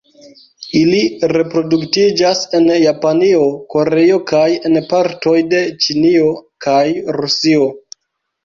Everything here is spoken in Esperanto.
Ili reproduktiĝas en Japanio, Koreio kaj en partoj de Ĉinio kaj Rusio.